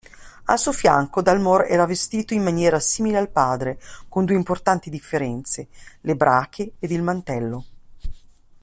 Al suo fianco, Dalmor era vestito in maniera simile al padre, con due importanti differenze: le brache ed il mantello.